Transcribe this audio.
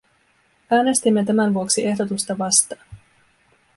Äänestimme tämän vuoksi ehdotusta vastaan.